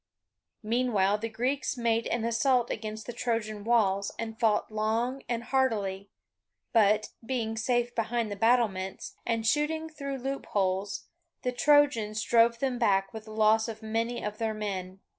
Meanwhile, the Greeks made an assault against the Trojan walls and fought long and hardily; but, being safe behind the battlements, and shooting through loopholes, the Trojans drove them back with loss of many of their men.